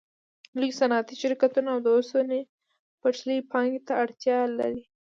لوی صنعتي شرکتونه او د اوسپنې پټلۍ پانګې ته اړتیا لري